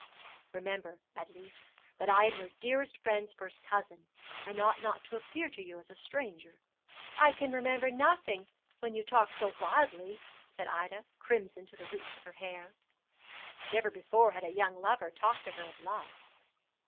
Remember, at least, that I am your dearest friend's first cousin, and ought not to appear to you as a stranger.' 'I can remember nothing when you talk so wildly,' said Ida, crimson to the roots of her hair. Never before had a young lover talked to her of love.